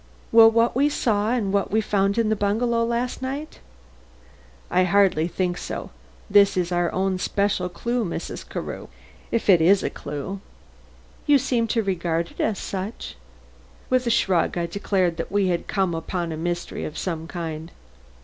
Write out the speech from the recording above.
"Will what we saw and what we found in the bungalow last night?" "I hardly think so. That is our own special clue, Mrs. Carew if it is a clue." "You seem to regard it as such." With a shrug I declared that we had come upon a mystery of some kind.